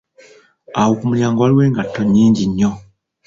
Awo kumulyango waliwo engatto nyinji nnyo.